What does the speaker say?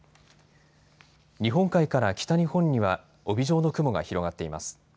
日本海から北日本には帯状の雲が広がっています。